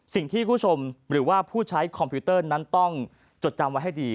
คุณผู้ชมหรือว่าผู้ใช้คอมพิวเตอร์นั้นต้องจดจำไว้ให้ดี